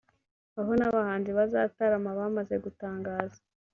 aho n’abahanzi bazatarama bamaze gutangazwa